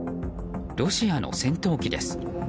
ロシアの戦闘機です。